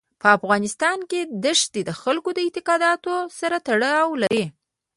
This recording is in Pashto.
په افغانستان کې ښتې د خلکو د اعتقاداتو سره تړاو لري.